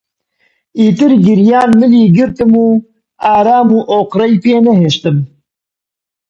ئیتر گریان ملی گرتم و ئارام و ئۆقرەی پێ نەهێشتم